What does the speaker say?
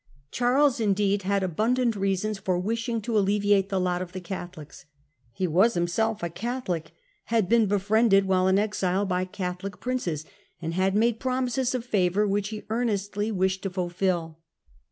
Charles indeed had abundant reasons for wishing to alleviate the lot of the Catholics. He was himself a Catholic, had been befriended while in exile by Catholic princes, and had made promises of favour which he earnestly wished to fulfil.